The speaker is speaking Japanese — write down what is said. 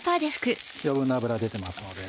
余分な脂出てますので。